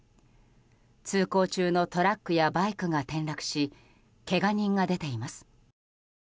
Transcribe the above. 通行中のトラックやバイクが転落し、けが人が出ています。